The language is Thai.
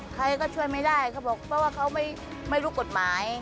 ใครก็ช่วยไม่ได้เขาบอกเพราะว่าเขาไม่รู้กฎหมาย